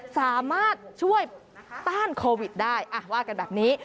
สามารถช่วยต้านโควิดได้ว่ากันแบบนี้